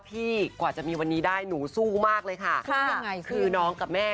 พี่กว่าจะมีวันนี้ได้หนูสู้มากเลยค่ะ